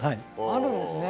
あるんですね。